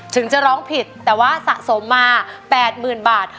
ถึงจะร้องผิดแต่ว่าสะสมมา๘๐๐๐บาท